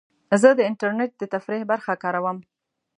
زه د انټرنیټ د تفریح برخه کاروم.